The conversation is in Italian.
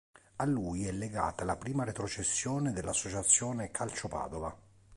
A lui è legata la prima retrocessione dell'Associazione Calcio Padova.